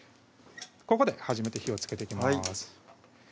ここで初めて火をつけていきます